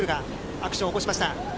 アクションを起こしました。